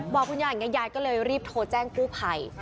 บอกคุณยายอย่างนี้ยายก็เลยรีบโทรแจ้งกู้ภัย